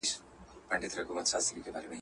ما ته خدای وو دا وړیا نغمت راکړی.